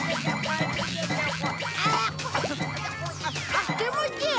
あっ気持ちいい！